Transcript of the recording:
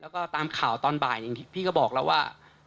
แล้วก็ตามข่าวตอนบ่ายอย่างที่พี่ก็บอกแล้วว่า